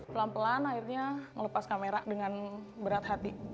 pelan pelan akhirnya ngelepas kamera dengan berat hati